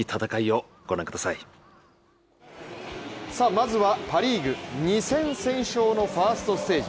まずはパ・リーグ、２戦先勝のファーストステージ。